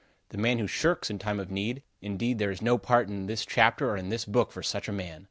The man who shirks in time of need indeed there is no part in this chapter or in this book for such a man.